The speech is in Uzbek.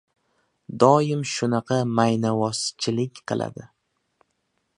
Doim shunaqa maynavozchilik qiladi.